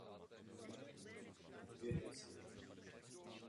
Dnes již školní budova neslouží svému účelu.